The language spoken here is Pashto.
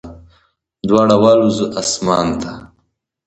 دواړه والوزو اسمان ته